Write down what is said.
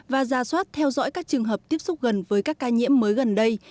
và ra soát theo dõi các trường hợp tiếp xúc gần với các ca nhiễm mới gần đây